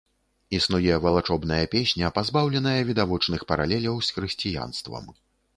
Існуе валачобная песня, пазбаўленая відавочных паралеляў з хрысціянствам.